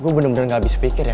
gue bener bener gak habis pikir ya